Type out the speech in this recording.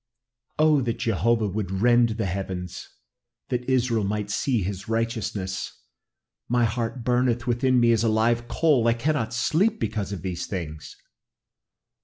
"Oh, that Jehovah would rend the heavens; that Israel might see his righteousness! My heart burneth within me as a live coal. I cannot sleep because of these things."